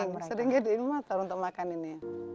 ya sering sering gadein motor untuk makan ini